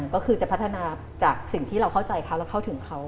ก็คือจะพัฒนาจากสิ่งที่เราเข้าใจเขาเราเข้าถึงเขา